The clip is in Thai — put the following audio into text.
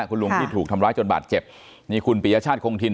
คุณลุงที่ถูกทำร้ายจนบาดเจ็บนี่คุณปียชาติคงถิ่น